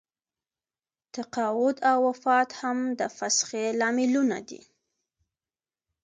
تقاعد او وفات هم د فسخې لاملونه دي.